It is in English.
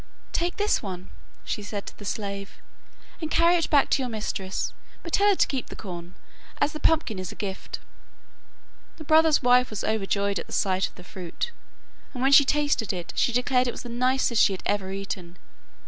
'Take this one,' she said to the slave, 'and carry it back to your mistress, but tell her to keep the corn, as the pumpkin is a gift.' The brother's wife was overjoyed at the sight of the fruit, and when she tasted it, she declared it was the nicest she had ever eaten.